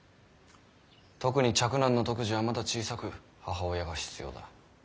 特に嫡男の篤二はまだ小さく母親が必要だ。